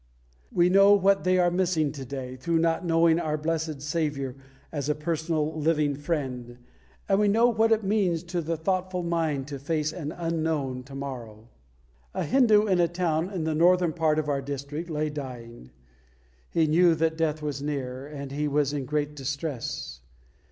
We know what they are missing to day, through not knowing our blessed Saviour as a personal, living Friend; and we know what it means to the thoughtful mind to face an unknown to morrow. A Hindu in a town in the northern part of our district lay dying. He knew that death was near, and he was in great distress.